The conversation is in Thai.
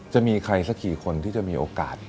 จะมีใครสักกี่คนที่จะมีโอกาส